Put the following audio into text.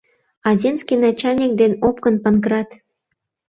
А земский начальник ден опкын Панкрат